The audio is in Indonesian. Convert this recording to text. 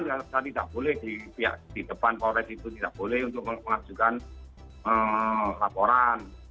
saya tidak boleh di depan polres itu tidak boleh untuk mengajukan laporan